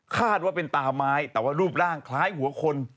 คาดว่าเป็นตาไม้แต่ว่ารูปร่างคล้ายหัวคน